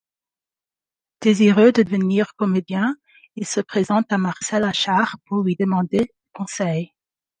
Désireux de devenir comédien, il se présente à Marcel Achard pour lui demander conseil.